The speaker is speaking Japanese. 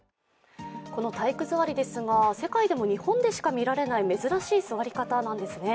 体育座りですが世界でも日本でしか見られない珍しい座り方なんですね。